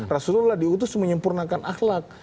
rasulullah diutus menyempurnakan akhlak